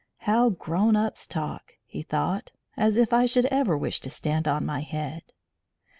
"How grown ups talk!" he thought. "As if I should ever wish to stand on my head!"